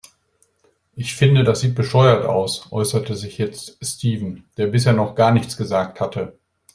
Ich finde, das sieht bescheuert aus, äußerte sich jetzt Steven, der bisher noch gar nichts gesagt hatte.